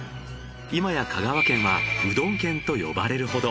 今や香川県はうどん県と呼ばれるほど。